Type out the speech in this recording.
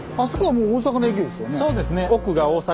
そうですね。